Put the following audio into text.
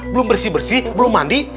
belum bersih bersih belum mandi